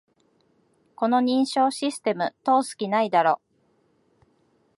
この認証システム、通す気ないだろ